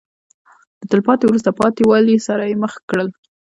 د تلپاتې وروسته پاتې والي سره یې مخ کړل.